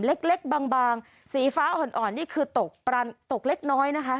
เล็กเล็กบางบางสีฟ้าอ่อนอ่อนนี่คือตกปรันตกเล็กน้อยนะคะ